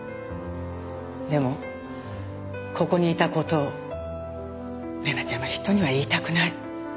でもここにいた事を玲奈ちゃんは人には言いたくない。